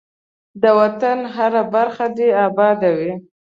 ده وطن هره برخه دی اباده وی.